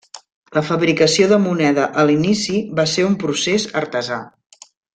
La fabricació de moneda a l'inici va ser un procés artesà.